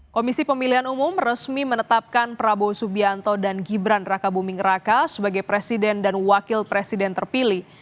komisi pemilihan umum resmi menetapkan prabowo subianto dan gibran raka buming raka sebagai presiden dan wakil presiden terpilih